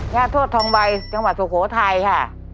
โทษทองใบจังหวัดสุโขทัยค่ะ